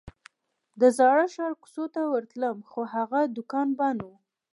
د زاړه ښار کوڅو ته ووتلم خو هغه دوکان بند و.